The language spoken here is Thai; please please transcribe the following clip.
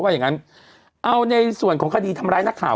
กรมป้องกันแล้วก็บรรเทาสาธารณภัยนะคะ